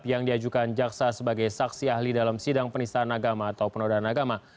yang diajukan jaksa sebagai saksi ahli dalam sidang penistaan agama atau penodaan agama